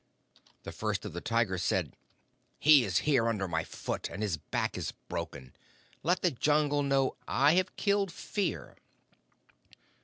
"The First of the Tigers said: 'He is here under my foot, and his back is broken. Let the Jungle know I have killed Fear.'